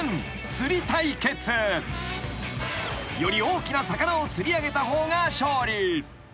［より大きな魚を釣り上げた方が勝利］